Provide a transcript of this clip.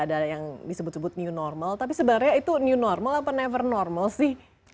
ada yang disebut sebut new normal tapi sebenarnya itu new normal atau never normal sih